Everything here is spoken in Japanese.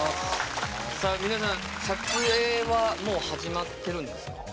さあ皆さん撮影はもう始まってるんですか？